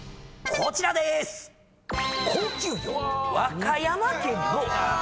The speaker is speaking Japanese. こちらでーす。